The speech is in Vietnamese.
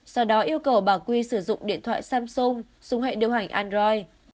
sau đó yêu cầu bà quy sử dụng điện thoại samsung súng hệ điều hành android